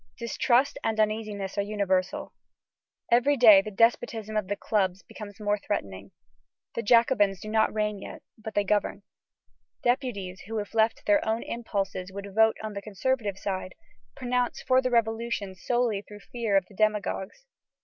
Distrust and uneasiness are universal. Every day the despotism of the clubs becomes more threatening. The Jacobins do not reign yet, but they govern. Deputies who, if left to their own impulses, would vote on the conservative side, pronounce for the Revolution solely through fear of the demagogues.